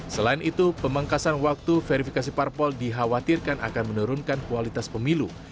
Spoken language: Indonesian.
selain itu pemangkasan waktu verifikasi parpol dikhawatirkan akan menurunkan kualitas pemilu